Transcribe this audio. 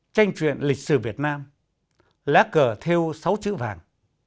tranh truyện lịch sử việt nam lá cờ theo sáu chữ vàng